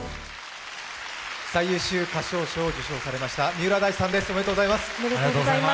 最優秀歌唱賞を受賞されました三浦大知さんです。